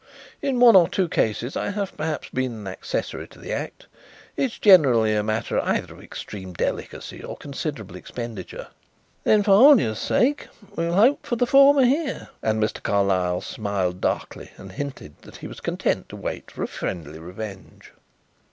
"In one or two cases I have perhaps been an accessory to the act. It is generally a matter either of extreme delicacy or considerable expenditure." "Then for Hollyer's sake we will hope for the former here." And Mr. Carlyle smiled darkly and hinted that he was content to wait for a friendly revenge.